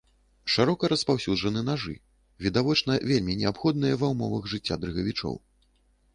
Шырока распаўсюджаны нажы, відавочна вельмі неабходныя ва ўмовах жыцця дрыгавічоў.